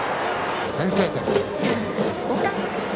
先制点。